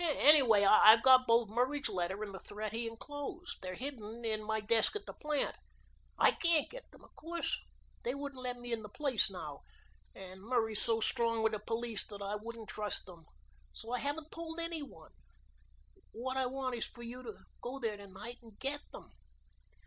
Anyway, I've got both Murray's letter and the threat he enclosed. They're hidden in my desk at the plant. I can't get them, of course; they wouldn't let me in the place now, and Murray's so strong with the police that I wouldn't trust them, so I haven't told any one. What I want is for you to go there to night and get them."